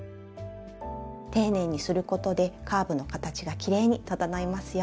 丁寧にすることでカーブの形がきれいに整いますよ。